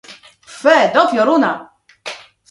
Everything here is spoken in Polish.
"Pfe, do pioruna!"